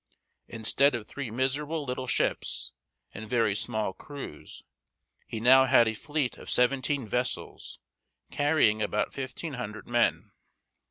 Instead of three miserable little ships, and very small crews, he now had a fleet of seventeen vessels, carrying about fifteen hundred men.